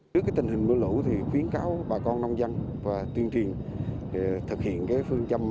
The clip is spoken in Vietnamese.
trước tình hình mưa lũ thì khuyến kháo bà con nông dân và tuyên truyền thực hiện phương châm